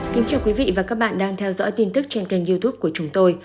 kính chào quý vị và các bạn đang theo dõi tin tức trên kênh youtube của chúng tôi